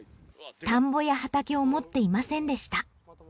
田んぼや畑を持っていませんでした。